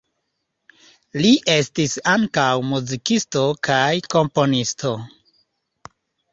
Li estis ankaŭ muzikisto kaj komponisto.